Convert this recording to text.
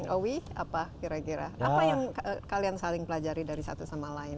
owi apa kira kira apa yang kalian saling pelajari dari satu sama lain